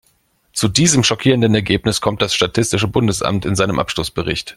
Zu diesem schockierenden Ergebnis kommt das statistische Bundesamt in seinem Abschlussbericht.